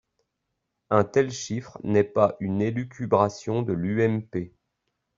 Un tel chiffre n’est pas une élucubration de l’UMP.